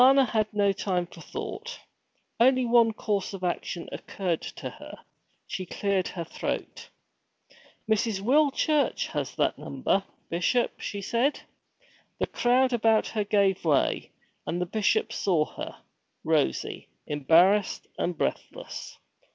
Alanna had no time for thought. Only one course of action occurred to her. She cleared her throat. 'Mrs. Will Church has that number, Bishop,' she said. The crowd about her gave way, and the Bishop saw her, rosy, embarrassed, and breathless.